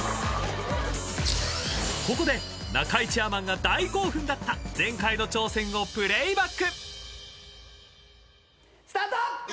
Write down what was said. ［ここで中居チェアマンが大興奮だった前回の挑戦をプレーバック］スタート！